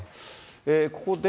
ここで、